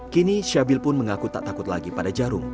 kini syabil pun mengaku tak takut lagi pada jarum